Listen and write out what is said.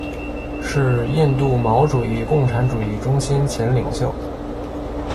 是印度毛主义共产主义中心前领袖。